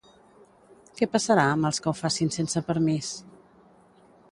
Què passarà amb els que ho facin sense permís?